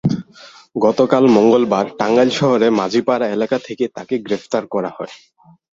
গতকাল মঙ্গলবার টাঙ্গাইল শহরের মাঝিপাড়া এলাকা থেকে তাঁকে গ্রেপ্তার করা হয়।